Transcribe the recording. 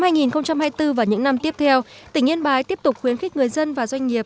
năm hai nghìn hai mươi bốn và những năm tiếp theo tỉnh yên bái tiếp tục khuyến khích người dân và doanh nghiệp